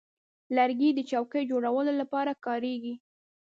لرګی د چوکۍ جوړولو لپاره کارېږي.